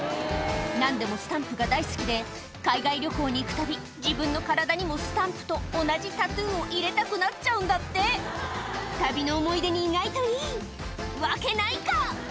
何でもスタンプが大好きで海外旅行に行くたび自分の体にもスタンプと同じタトゥーを入れたくなっちゃうんだって旅の思い出に意外といいわけないか！